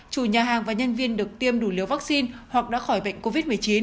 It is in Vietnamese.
chủ nhà hàng và nhân viên được tiêm đủ liều vaccine hoặc đã khỏi bệnh covid một mươi chín